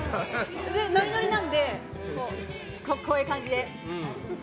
ノリノリなのでこういう感じで。